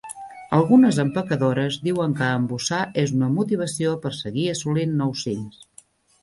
Algunes empacadores diuen que embossar és una motivació per seguir assolint nous cims.